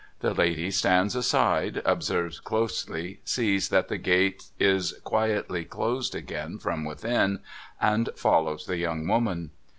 The lady stands aside, observes closely, sees that the gate is quietly closed again from within, and follows the young woman.